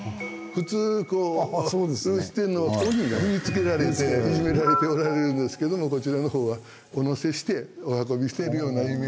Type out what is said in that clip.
普通鬼が踏みつけられていじめられておられるんですがこちらの方はお乗せしてお運びしているようなイメージ。